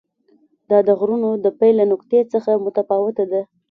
دا د غرونو د پیل له نقطې څخه متفاوته ده.